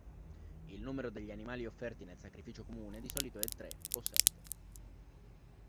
Il numero degli animali offerti nel sacrificio comune di solito è tre o sette.